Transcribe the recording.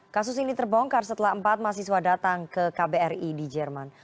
kasus ini terbongkar setelah empat mahasiswa datang ke kbri di jerman